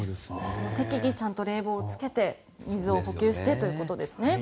適宜、冷房をつけて水を補給してということですね。